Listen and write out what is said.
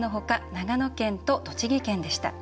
長野県と栃木県でした。